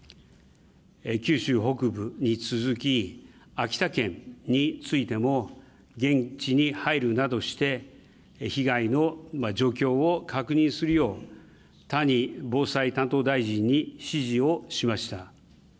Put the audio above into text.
九州北部に続き、秋田県についても、現地に入るなどして、被害の状況を確認するよう、谷防災担当大臣に指示をしました。